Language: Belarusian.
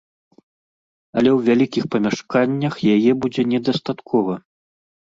Але ў вялікіх памяшканнях яе будзе недастаткова.